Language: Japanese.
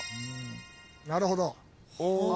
なるほど。